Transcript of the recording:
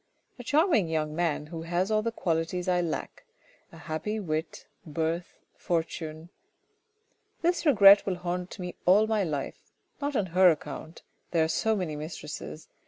A charming young man who has all the qualities I lack. A happy wit, birth, fortune " This regret will haunt me all my life, not on her account, ' there are so many mistresses